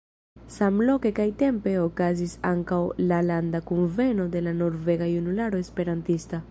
Samloke kaj -tempe okazis ankaŭ la Landa Kunveno de la Norvega Junularo Esperantista.